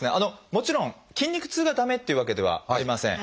もちろん筋肉痛が駄目っていうわけではありません。